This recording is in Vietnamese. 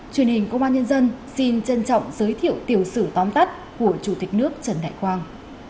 truyền hình công an nhân dân xin trân trọng giới thiệu tiểu sử tóm tắt của chủ tịch nước trần đại quang